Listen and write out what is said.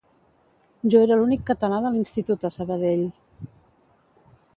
Jo era l'únic català de l'institut a Sabadell